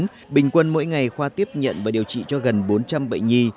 trong tháng một mươi bình quân mỗi ngày khoa tiếp nhận và điều trị cho gần bốn trăm linh bệnh nhi